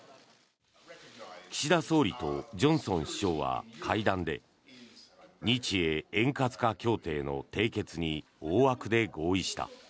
岸田総理とジョンソン首相は会談で日英円滑化協定の締結に大枠で合意した。